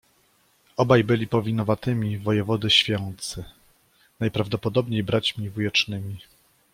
Obaj byli powinowatymi wojewody Święcy, najprawdopodobniej braćmi wujecznymi.